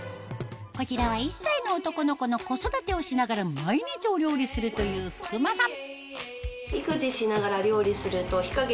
こちらは１歳の男の子の子育てをしながら毎日お料理するという福馬さん